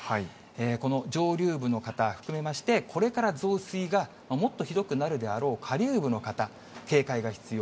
この上流部の方含めまして、これからもっとひどくなるであろう下流部の方、警戒が必要。